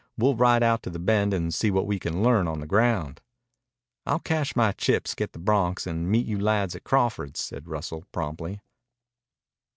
We'll ride out to the Bend and see what we can learn on the ground." "I'll cash my chips, get the broncs, and meet you lads at Crawford's," said Russell promptly.